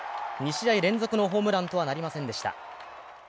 ２試合連続のホームランとはなりませんでした。